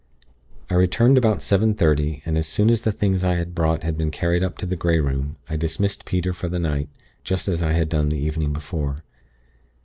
I returned about seven thirty, and as soon as the things I had brought had been carried up to the Grey Room, I dismissed Peter for the night, just as I had done the evening before.